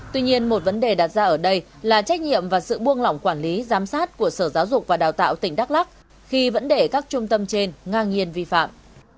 tuy nhiên một vấn đề đặt ra ở đây là trách nhiệm và sự buông lỏng quản lý giám sát của sở giáo dục và đào tạo tỉnh đắk lắc khi vẫn để các trung tâm trên ngang nhiên vi phạm